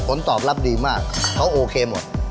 ผลตอบรับดีมากเขาโอเคหมด